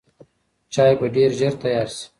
چای به ډېر ژر تیار شي.